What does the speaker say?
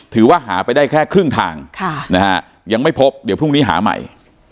หาไปได้แค่ครึ่งทางยังไม่พบเดี๋ยวพรุ่งนี้หาใหม่